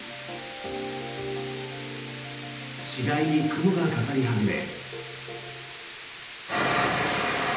次第に雲がかかり始め。